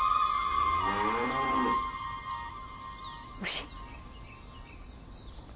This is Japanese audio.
牛。